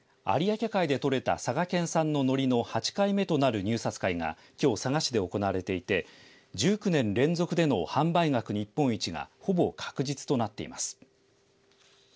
有明海で採れた佐賀県産のノリの８回目となる入札会がきょう佐賀市で行われていて１９年連続での販売額日本一がほぼ確実となっています。